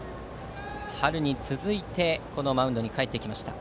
春に続いて、このマウンドに帰ってきました。